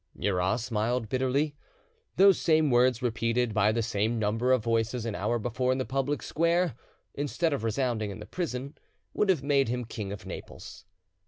Murat smiled bitterly. Those same words repeated by the same number of voices an hour before in the public square, instead of resounding in the prison, would have made him King of Naples.